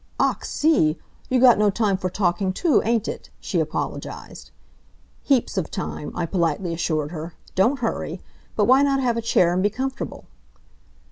"Ach, see! you got no time for talking to, ain't it?" she apologized. "Heaps of time," I politely assured her, "don't hurry. But why not have a chair and be comfortable?"